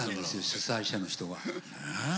主催者の人が。